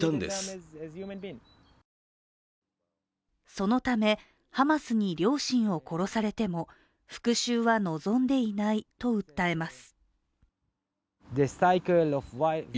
そのため、ハマスに両親を殺されても復しゅうは望んでいないと訴えます。